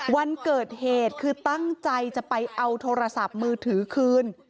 วันเกิดเหตุคือตั้งใจจะไปเอาโทรศัพท์มือถือคืน